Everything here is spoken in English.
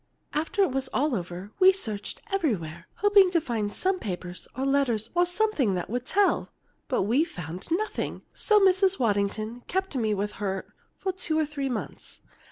After it was all over we searched everywhere, hoping to find some papers or letters or something that would tell, but we found nothing. So Mrs. Waddington kept me with her for two or three months.